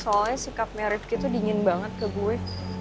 soalnya sikapnya rifqi tuh dingin banget ke gue